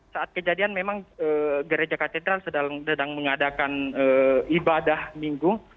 saat kejadian memang gereja katedral sedang mengadakan ibadah minggu